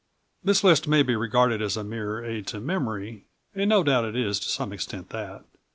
This list may be regarded as a mere aid to memory, and no doubt it is to some extent that.